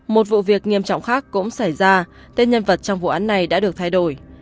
một vụ việc nghiêm trọng khác cũng xảy ra tên nhân vật trong vụ án này đã được thay đổi